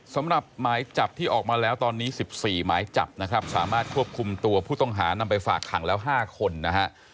สำหรับหมายจับที่ออกมาแล้วตอนนี้๑๔หมายจับนะครับสามารถควบคุมตัวผู้ต้องหานำไปฝากขังแล้ว๕คนนะฮะ